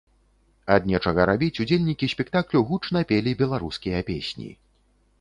Ад нечага рабіць удзельнікі спектаклю гучна пелі беларускія песні.